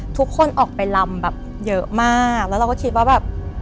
ทุกคนออกไปลำแบบเยอะมากแล้วเราก็คิดว่าแบบ